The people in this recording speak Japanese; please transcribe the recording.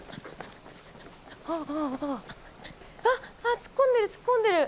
あっあっ突っ込んでる突っ込んでる。